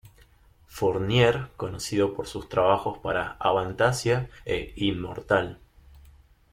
Fournier, conocido por sus trabajos para Avantasia e Immortal.